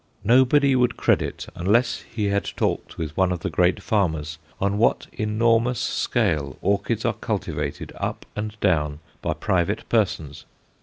Nobody would credit, unless he had talked with one of the great farmers, on what enormous scale orchids are cultivated up and down by private persons.